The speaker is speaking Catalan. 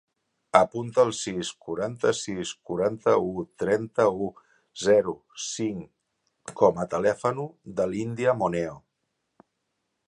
Apunta el sis, quaranta-sis, quaranta-u, trenta-u, zero, cinc com a telèfon de l'Índia Moneo.